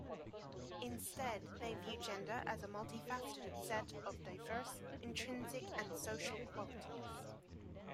Instead, they view gender as a multifaceted set of diverse intrinsic and social qualities.